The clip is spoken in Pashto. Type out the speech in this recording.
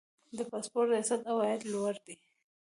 د پاسپورت ریاست عواید لوړ دي